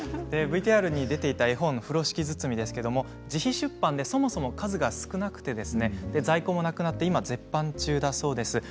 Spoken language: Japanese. ＶＴＲに出ていた絵本「ふろしきづつみ」ですが自費出版で、そもそも数が少なく在庫もなくなって絶版中だそうです。